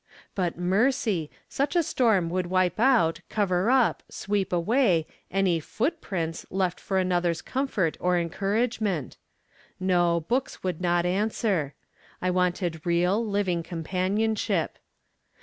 But mercy ! such a storm would wipe out, cover up, sweep away smj footprints left for another's comfort or encouragement. No, books would not answer ; I wanted real, living compan ionship.